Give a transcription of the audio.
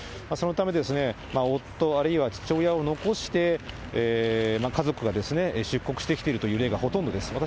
そのため、夫、あるいは父親を残して、家族が出国してきているという例がほとんどです。